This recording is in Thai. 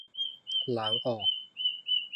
ล้างออก